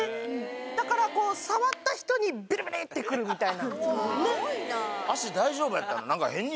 だからこう触った人にビリビリってくるみたいなねっ？